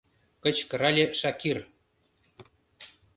— кычкырале Шакир.